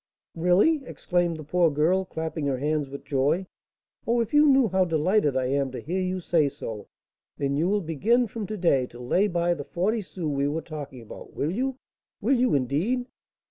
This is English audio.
"Really!" exclaimed the poor girl, clapping her hands with joy. "Oh, if you knew how delighted I am to hear you say so! Then you will begin from to day to lay by the forty sous we were talking about, will you? Will you, indeed?"